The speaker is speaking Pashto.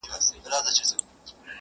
هیله پوره د مخلص هره سي چي،